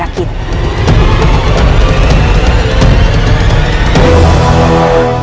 dan kita jadi sandra kita